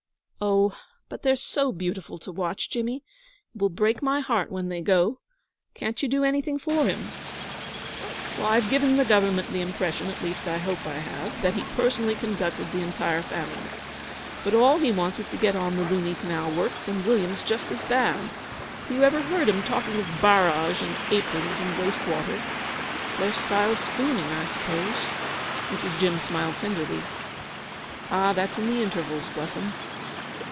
'Oh, but they're so beautiful to watch, Jimmy. It will break my heart when they go. Can't you do anything for him?' 'I've given the Government the impression at least, I hope I have that he personally conducted the entire famine. But all he wants is to get on to the Luni Canal Works, and William's just as bad. Have you ever heard 'em talking of barrage and aprons and wastewater. It's their style of spooning, I suppose.' Mrs. Jim smiled tenderly. 'Ah, that's in the intervals bless 'em.'